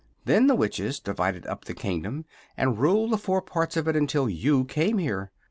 Then the Witches divided up the kingdom, and ruled the four parts of it until you came here.